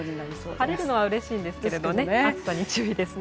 晴れるのはうれしいですけど暑さに注意ですね。